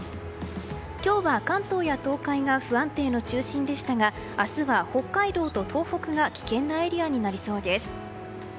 今日は、関東や東海が不安定の中心でしたが明日は北海道と東北が危険なエリアになりそうです。